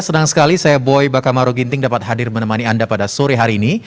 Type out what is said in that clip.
senang sekali saya boy bakamaro ginting dapat hadir menemani anda pada sore hari ini